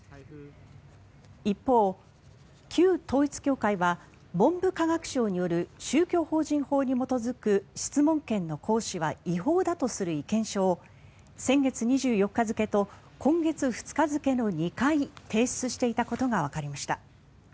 一方、旧統一教会は文部科学省による宗教法人法に基づく質問権の行使は違法だとする意見書を先月２４日付と今月２日付の２回、提出していたことがわかりました。